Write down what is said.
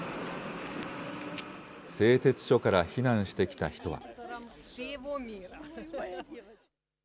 製鉄所から避難してきた人は。